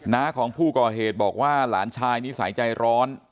น้าของผู้ก่อเหตุบอกว่าหลานชายนิสัยใจร้อน